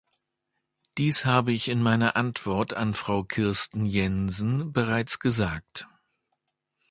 Dies habe ich in meiner Antwort an Frau Kirsten Jensen bereits gesagt.